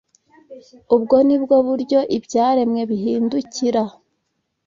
Ubwo ni bwo buryo ibyaremwe biduhindukira